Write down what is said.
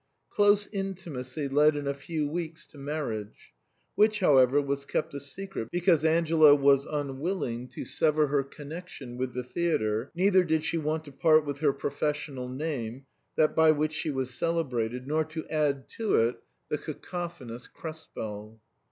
Close intimacy led in a few weeks to mamage, which, however, was kept a secret, because Angela was unwill ing to sever her connection with the theatre, neither did she wish to part with her professional name, that by which she was celebrated, nor to add to it the ca cophonous "Krespel."